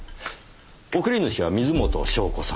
送り主は水元湘子さん。